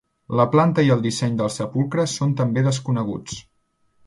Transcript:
La planta i el disseny del sepulcre són també desconeguts.